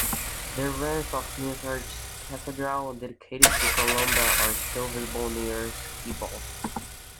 The ruins of Snizort Cathedral, dedicated to Columba, are still visible near Skeabost.